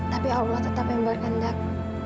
tapi allah tetap yang berkendak